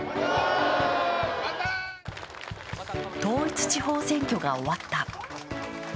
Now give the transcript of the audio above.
統一地方選挙が終わった。